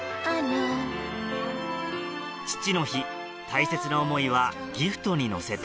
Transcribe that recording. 父の日大切な思いはギフトに乗せて